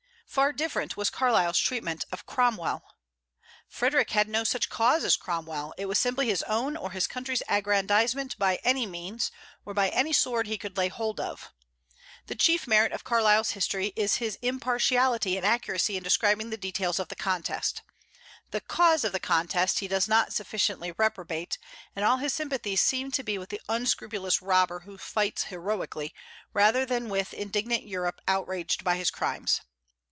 Far different was Carlyle's treatment of Cromwell. Frederic had no such cause as Cromwell; it was simply his own or his country's aggrandizement by any means, or by any sword he could lay hold of. The chief merit of Carlyle's history is his impartiality and accuracy in describing the details of the contest: the cause of the contest he does not sufficiently reprobate; and all his sympathies seem to be with the unscrupulous robber who fights heroically, rather than with indignant Europe outraged by his crimes.